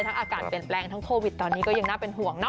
อากาศเปลี่ยนแปลงทั้งโควิดตอนนี้ก็ยังน่าเป็นห่วงเนาะ